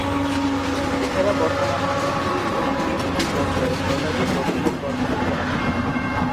এছাড়া বর্তমানে এমফিল ও পিএইচডি পর্যায়ের শতাধিক গবেষক কর্মরত আছেন।